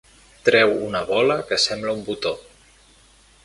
Treu una bola que sembla un botó.